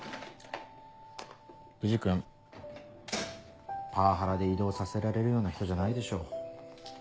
藤君パワハラで異動させられるような人じゃないでしょ。